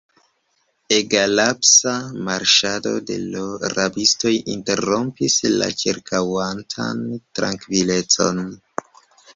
Egalpaŝa marŝado de l' rabistoj interrompis la ĉirkaŭantan trankvilecon.